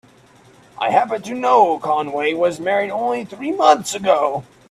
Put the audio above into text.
I happen to know Conway was married only three months ago.